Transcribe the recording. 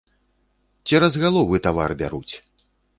Цераз галовы тавар бяруць.